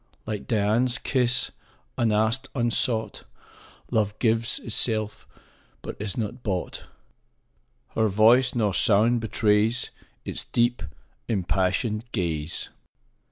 Like Dian's kiss, unasked, unsought, Love gives itself, but is not bought ; 15 Nor voice, nor sound betrays Its deep, impassioned ga/e.